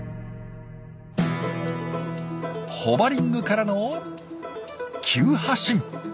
ホバリングからの急発進。